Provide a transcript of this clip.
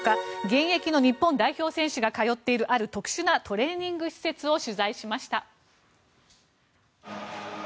現役の日本代表選手が通っているある特殊なトレーニング施設を取材しました。